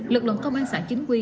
lực lượng công an xã chính quy